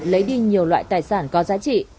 lấy đi nhiều loại tài sản có giá trị